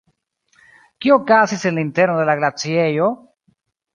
Kio okazis en la interno de la glaciejo?